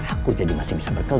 aku jadi masih bisa berdoa